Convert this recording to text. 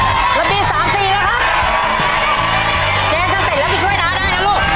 เราตีสามสี่นะคะถ้าเสร็จแล้วพี่ช่วยน้ำได้นะลูก